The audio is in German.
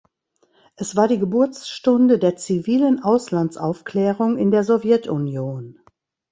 Es war die Geburtsstunde der zivilen Auslandsaufklärung in der Sowjetunion.